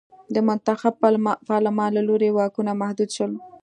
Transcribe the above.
د منتخب پارلمان له لوري واکونه محدود شول.